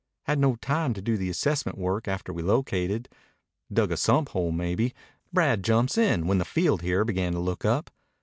"Had no time to do the assessment work after we located. Dug a sump hole, maybe. Brad jumps in when the field here began to look up.